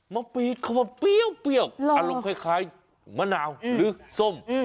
มะปี๊ดเขามาเปรี้ยวเปรี้ยวอร่อยอร่อยคล้ายคล้ายมะนาวหรือส้มอืม